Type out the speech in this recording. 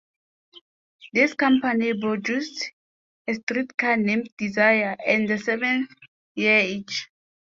This company produced "A Streetcar Named Desire" and "The Seven Year Itch.